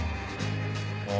ああ。